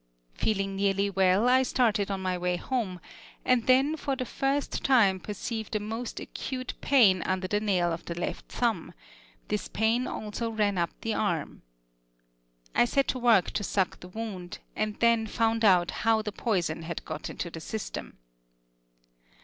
Feeling nearly well, I started on my way home, and then for the first time perceived a most acute pain under the nail of the left thumb: this pain also ran up the arm. I set to work to suck the wound, and then found out how the poison had got into the system.